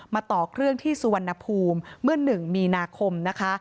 ต่อเครื่องที่สุวรรณภูมิเมื่อ๑มีนาคมนะคะ